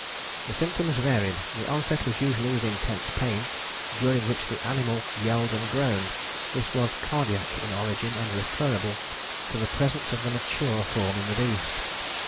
"The symptoms varied. The onset was usually with intense pain, during which the animal yelled and groaned: this was cardiac in origin and referable to the presence of the mature form in the beast.